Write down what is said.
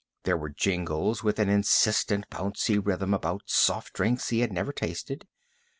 There were jingles with an insistent, bouncy rhythm, about soft drinks he had never tasted.